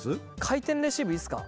回転レシーブいいですか？